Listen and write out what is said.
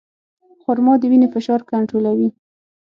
خرما د وینې فشار کنټرولوي.